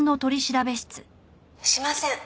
「しません」